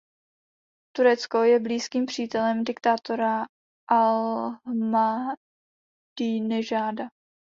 Turecko je blízkým přítelem diktátora Ahmadínežáda.